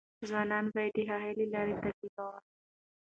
ځوانان به د هغې لار تعقیب کوله.